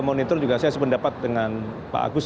monitor juga saya sependapat dengan pak agus